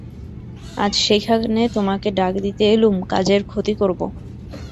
আজ সেইখানে তোমাকে ডাক দিতে এলুম–কাজের ক্ষতি করব।